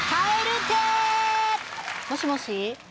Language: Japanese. もしもし